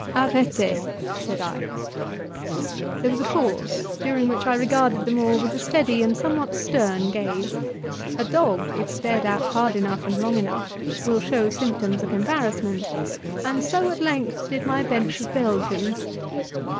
"Arretez!" said I. There was a pause, during which I regarded them all with a steady and somewhat stern gaze; a dog, if stared at hard enough and long enough, will show symptoms of embarrassment, and so at length did my bench of Belgians.